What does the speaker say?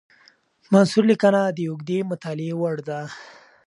منثور لیکنه د اوږدې مطالعې وړ ده.